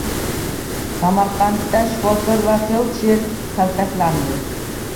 Samarqandda shifokor va feldsher kaltaklandi